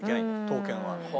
刀剣は。